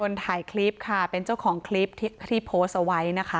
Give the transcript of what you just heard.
ถ่ายคลิปค่ะเป็นเจ้าของคลิปที่โพสต์เอาไว้นะคะ